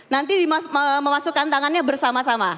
nanti memasukkan tangannya bersama sama